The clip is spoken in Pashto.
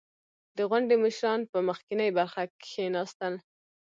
• د غونډې مشران په مخکینۍ برخه کښېناستل.